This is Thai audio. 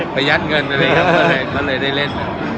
ขยัดเงินไปเลยกับเขาเลยได้เล่น